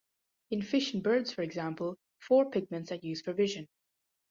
In fish and birds, for example, four pigments are used for vision.